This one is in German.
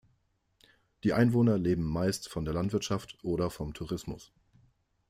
Die Einwohner leben meist von der Landwirtschaft oder vom Tourismus.